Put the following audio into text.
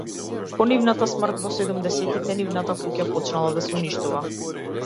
По нивната смрт во седумдесетите, нивната куќа почнала да се уништува.